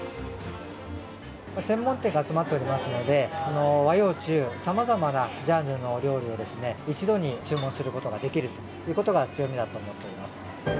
専門店が集まっておりますので、和洋中さまざまなジャンルのお料理を一度に注文することができるということが強みだと思っております。